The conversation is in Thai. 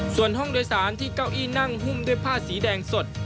ส่วนห้องโดยสารที่เก้าอี้นั่งหุ้มด้วยผ้าสีแดงสด